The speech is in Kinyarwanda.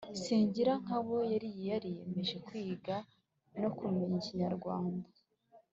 Singirankabo yari yariyemeje kwiga no kumenya ikinyarwanda